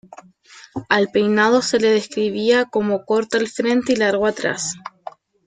Al peinado se le describía como corto al frente y largo atrás.